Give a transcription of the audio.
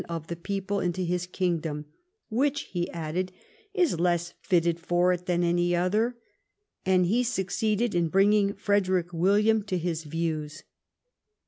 of the people into his kingdom, " which," he added, " is less fitted for it than any otlier," and he succeeded in brino in"" Frederick William to his views.